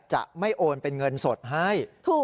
จะไม่โอนเป็นเงินสดให้